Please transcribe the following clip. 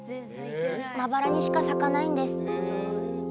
まばらにしか咲かないんです。